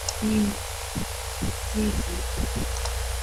Hay gran cantidad porta-trajes en el mercado, en todos los rangos de precios.